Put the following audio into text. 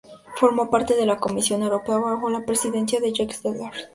Formó parte de la Comisión Europea bajo la presidencia de Jacques Delors.